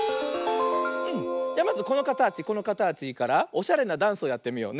まずこのかたちこのかたちからおしゃれなダンスをやってみようね。